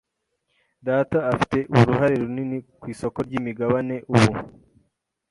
Data afite uruhare runini ku isoko ryimigabane ubu.